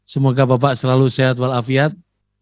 semoga bapak selalu sehat walafiat